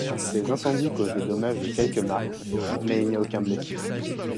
Ces incendies causent des dommages de quelque marks, mais il n'y a aucun blessé.